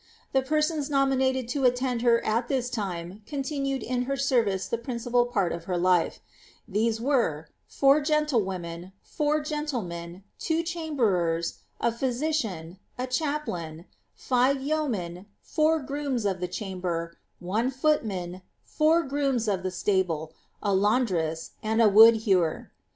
The persons nominated to attend her at this time continued in her service the principal part of her life : thp<«e were, four gen lie wo nen, four gentlemen, two chambercrs, a physician, a cliaplain, Ave yeo nen, four grooms of the cliamber, one footman, four grooms of the nable, a laundress, and a wood hewer.